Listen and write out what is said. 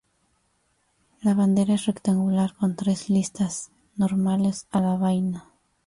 La bandera es rectangular con tres listas normales a la vaina.